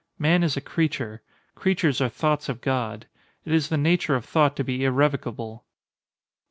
Man is a creature. Creatures are thoughts of God. It is the nature of thought to be irrevocable.